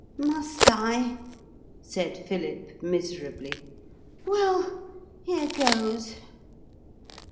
'Must I?' said Philip miserably. 'Well, here goes.'